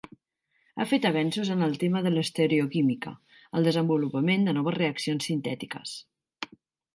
Ha fet avenços en el tema de l'Estereoquímica, el desenvolupament de noves reaccions sintètiques.